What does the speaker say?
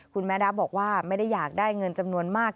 คุณแม่ดะบอกว่าไม่ได้อยากได้เงินจำนวนมาก